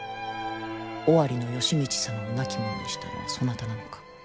尾張の吉通様を亡き者にしたのはそなたなのか？